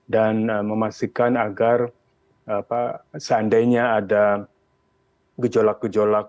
dan memastikan agar seandainya ada gejolak gejolak